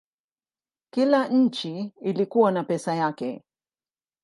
Kila nchi ilikuwa na pesa yake.